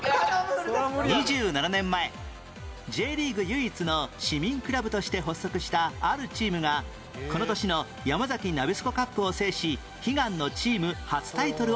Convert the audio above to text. ２７年前 Ｊ リーグ唯一の市民クラブとして発足したあるチームがこの年のヤマザキナビスコカップを制し悲願のチーム初タイトルを獲得